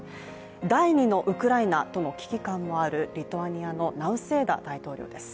第二のウクライナとの危機感もあるリトアニアのナウセーダ大統領です。